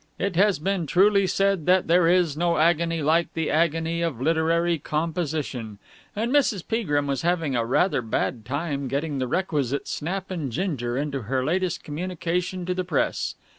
It has been truly said that there is no agony like the agony of literary composition, and Mrs. Peagrim was having rather a bad time getting the requisite snap and ginger into her latest communication to the Press.